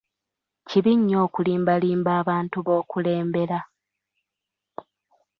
kibi nnyo okulimbalimba abantu b'okulembera.